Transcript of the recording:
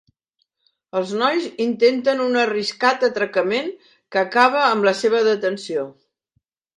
Els nois intenten un arriscat atracament que acaba amb la seva detenció.